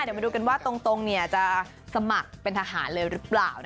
เดี๋ยวมาดูกันว่าตรงจะสมัครเป็นทหารเลยหรือเปล่า